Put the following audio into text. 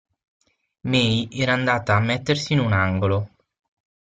May era andata a mettersi in un angolo.